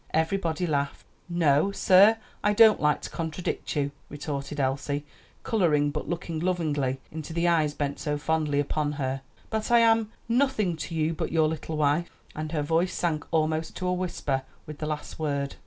Everybody laughed. "No, sir; I don't like to contradict you," retorted Elsie, coloring but looking lovingly into the eyes bent so fondly upon her, "but I am nothing to you but your little wife;" and her voice sank almost to a whisper with the last word.